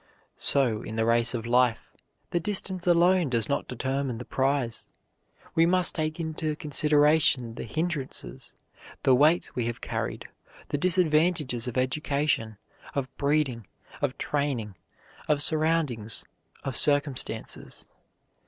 So in the race of life the distance alone does not determine the prize. We must take into consideration the hindrances, the weights we have carried, the disadvantages of education, of breeding, of training, of surroundings, of circumstances.